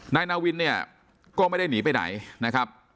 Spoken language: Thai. นายนาวินเนี่ยก็ไม่ได้หนีไปไหนนะครับ